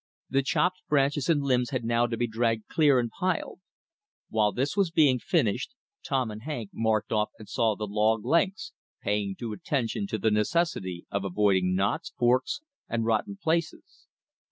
The chopped branches and limbs had now to be dragged clear and piled. While this was being finished, Tom and Hank marked off and sawed the log lengths, paying due attention to the necessity of avoiding knots, forks, and rotten places.